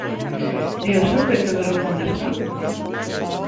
¿E o seu veto en Europa onde está?